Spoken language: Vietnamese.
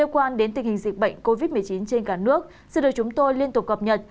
quan đến tình hình dịch bệnh covid một mươi chín trên cả nước xin được chúng tôi liên tục cập nhật